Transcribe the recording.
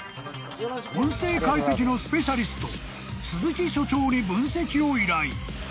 ［音声解析のスペシャリスト鈴木所長に分析を依頼］